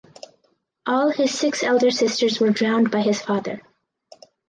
All his six elder sisters were drowned by his father.